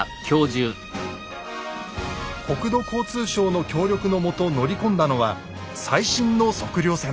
国土交通省の協力のもと乗り込んだのは最新の測量船。